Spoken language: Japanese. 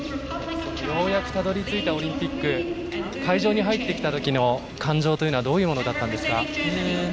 ようやくたどり着いたオリンピック会場に入ってきた時の感情はどういうものだったんですか。